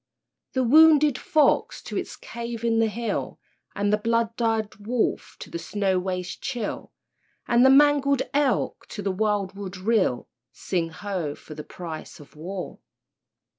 The wounded fox to its cave in the hill, And the blood dyed wolf to the snow waste chill, And the mangled elk to the wild wood rill, (Sing ho! for the price of war!)